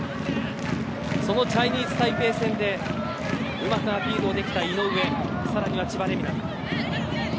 そのチャイニーズタイペイ戦でうまくアピールできた井上更には千葉玲海菜。